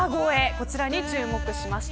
こちらに注目しました。